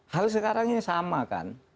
hal sekarangnya sama kan